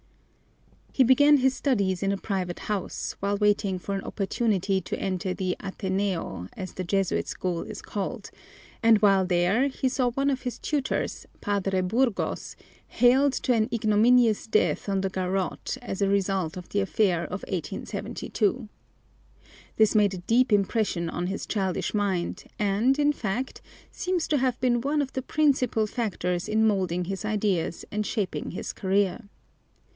He began his studies in a private house while waiting for an opportunity to enter the Ateneo, as the Jesuit school is called, and while there he saw one of his tutors, Padre Burgos, haled to an ignominious death on the garrote as a result of the affair of 1872. This made a deep impression on his childish mind and, in fact, seems to have been one of the principal factors in molding his ideas and shaping his career.